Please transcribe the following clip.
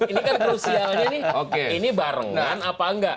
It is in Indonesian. ini kan krusialnya nih ini barengan apa enggak